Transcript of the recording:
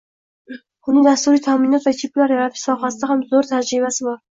uni dasturiy taʼminot va chiplar yaratish sohasida ham zoʻr tajribasi bor.